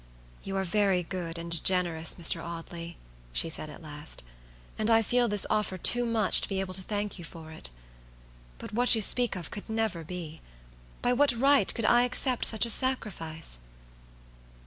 "You are very good and generous, Mr. Audley," she said, at last, "and I feel this offer too much to be able to thank you for it. But what you speak of could never be. By what right could I accept such a sacrifice?"